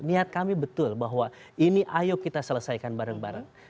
niat kami betul bahwa ini ayo kita selesaikan bareng bareng